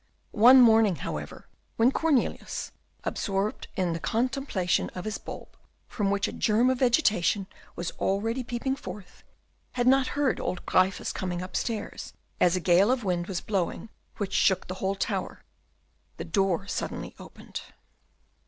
One morning, however, when Cornelius, absorbed in the contemplation of his bulb, from which a germ of vegetation was already peeping forth, had not heard old Gryphus coming upstairs as a gale of wind was blowing which shook the whole tower, the door suddenly opened.